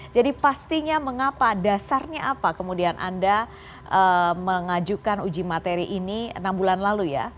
jadi pastinya mengapa dasarnya apa kemudian anda mengajukan uji materi ini enam bulan lalu ya